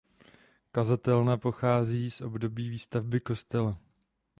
Kazatelna pochází z období výstavby kostela.